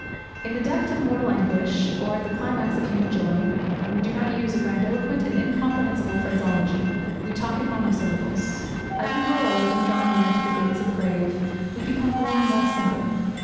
In the depth of mortal anguish, or at the climax of human joy, we do not use a grandiloquent and incomprehensible phraseology. We talk in monosyllables. As we grow old, and draw near to the gates of the grave, we become more and more simple.